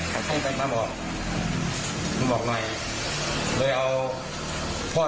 ให้ไปมาบอกมาบอกหน่อย